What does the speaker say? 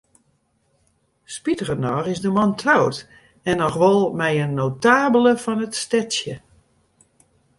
Spitigernôch is de man troud, en noch wol mei in notabele fan it stedsje.